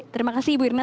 terima kasih ibu irna